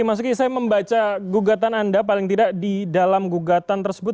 mas uki saya membaca gugatan anda paling tidak di dalam gugatan tersebut